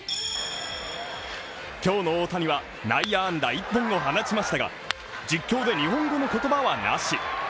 今日の大谷は、内野安打１本を放ちましたが実況で日本語の言葉はなし。